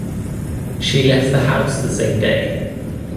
She left the house the same day.